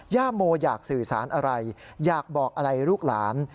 ย่าโมอยากสื่อสารอะไรอยากบอกอะไรลูกหลาน